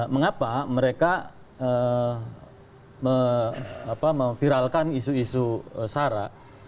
mengapa mereka memviralkan isu isu sara